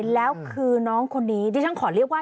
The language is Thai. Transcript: แล้วคือน้องคนนี้ที่ฉันขอเรียกว่า